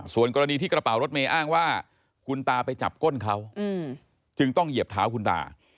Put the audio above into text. ส่วนกรณีที่กระเป๋ารถเมย์อ้างว่าคุณตาไปจับก้นเขาจึงต้องเหยียบเท้าคุณตา